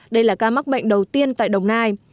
đây là ca mắc bệnh đầu tiên tại đồng nai